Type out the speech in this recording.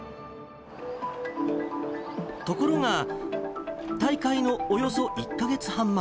ところが、大会のおよそ１か月半前。